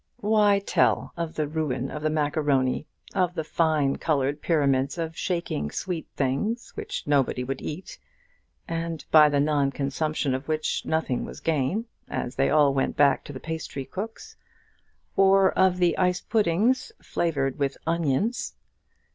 Why tell of the ruin of the maccaroni, of the fine coloured pyramids of shaking sweet things which nobody would eat, and by the non consumption of which nothing was gained, as they all went back to the pastrycook's, or of the ice puddings flavoured with onions?